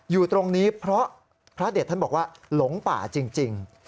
อยู่ตรงนี้เพราะพระเด็ดท่านบอกว่าหลงป่าจริง